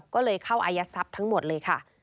ก็เลยเข้าอายัดทรัพย์ทั้งหมดเลยค่ะ